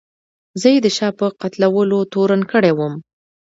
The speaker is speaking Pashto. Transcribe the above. زه یې د شاه په قتلولو تورن کړی وم.